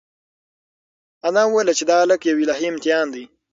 انا وویل چې دا هلک یو الهي امتحان دی.